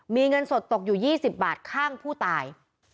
มีเงินสดตกอยู่๒๐บาทข้างผู้ตาย